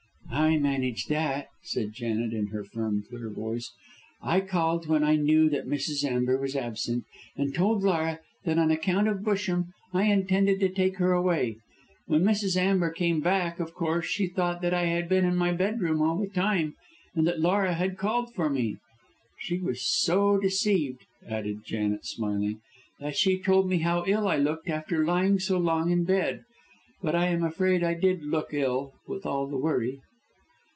"I managed that," said Janet, in her firm, clear voice. "I called when I knew that Mrs. Amber was absent, and told Laura that, on account of Busham, I intended to take her away. When Mrs. Amber came back, of course, she thought that I had been in my bedroom all the time, and that Laura had called for me. She was so deceived," added Janet, smiling, "that she told me how ill I looked after lying so long in bed. But I am afraid I did look ill, with all the worry."